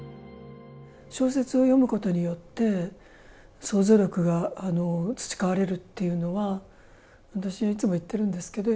小説を読むことによって想像力が培われるっていうのは私はいつも言ってるんですけど。